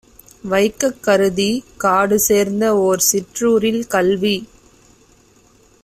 வைக்கக் கருதிக் காடுசேர்ந்த ஓர் சிற்றூரில் கல்வி